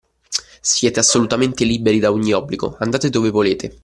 Siete assolutamente liberi da ogni obbligo, andate dove volete.